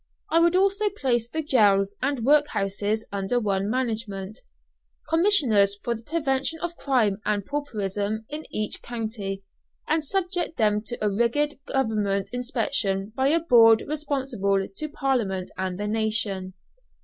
I would also place the jails and workhouses under one management. Commissioners for the prevention of crime and pauperism in each county, and subject them to a rigid government inspection by a board responsible to Parliament and the nation.